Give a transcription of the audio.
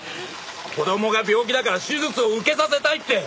子供が病気だから手術を受けさせたいって。